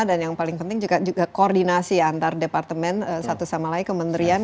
dan yang paling penting juga koordinasi antar departemen satu sama lain kementerian